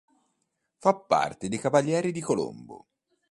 Fa parte dei Cavalieri di Colombo.